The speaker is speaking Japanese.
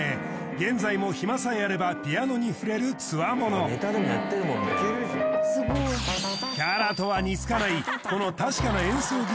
現在も暇さえあればピアノに触れるつわものキャラとは似つかない